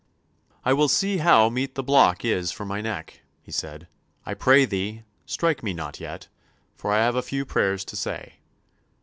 "I will see how meet the block is for my neck," he said, "I pray thee, strike me not yet, for I have a few prayers to say.